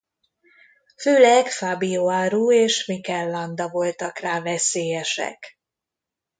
Főleg Fabio Aru és Mikel Landa voltak rá veszélyesek.